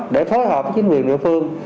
để phối hợp với chính quyền địa phương